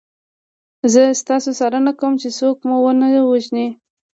زه ستاسو څارنه کوم چې څوک مو ونه وژني